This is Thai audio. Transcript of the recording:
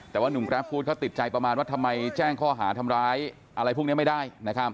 แต่ว่านุ่มกราฟฟู้ดเขาติดใจประมาณว่าทำไมแจ้งข้อหาทำร้ายอะไรพวกนี้ไม่ได้